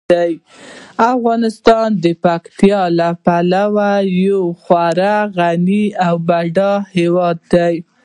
افغانستان د پکتیکا له پلوه یو خورا غني او بډایه هیواد دی.